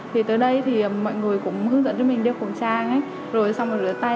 thì tới đây thì mọi người cũng hướng dẫn cho mình đeo khẩu trang rồi xong rồi rửa tay